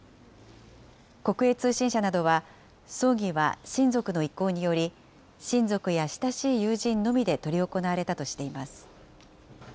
国営通信社などは、葬儀は親族の意向により、親族や親しい友人のみで執り行われたとしています。